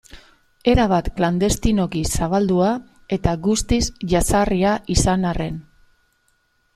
Erabat klandestinoki zabaldua eta guztiz jazarria izan arren.